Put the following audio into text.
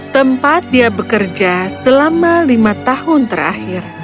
tempat dia bekerja selama lima tahun terakhir